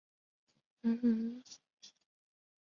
晚年的佩格劳仍继续从事交通号志小人的设计工作。